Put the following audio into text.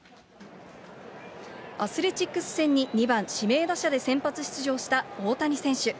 アスレチックス戦に２番指名打者で先発出場した大谷選手。